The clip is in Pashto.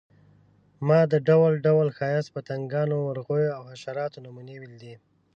ما د ډول ډول ښایسته پتنګانو، مرغیو او حشراتو نمونې ولیدې.